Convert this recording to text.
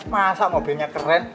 masa mobilnya keren